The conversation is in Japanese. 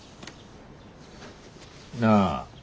なあ。